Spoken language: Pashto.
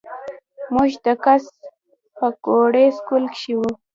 مونږ د کس پاګوړۍ سکول کښې وو